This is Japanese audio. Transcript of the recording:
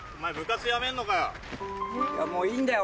もういいんだよ